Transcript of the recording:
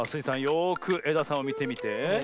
よくえださんをみてみて。